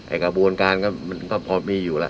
ด้วยกระบวนการก็ปอมมีอยู่ละ